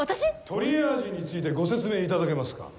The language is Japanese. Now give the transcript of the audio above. トリアージについてご説明いただけますか？